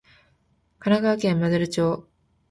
神奈川県真鶴町